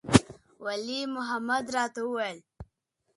ولي محمد راته وويل.